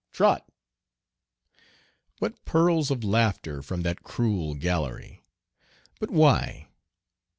"Trot!" What peals of laughter from that cruel gallery! But why?